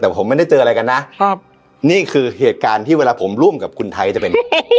แต่ผมไม่ได้เจออะไรกันนะครับนี่คือเหตุการณ์ที่เวลาผมร่วมกับคุณไทยจะเป็น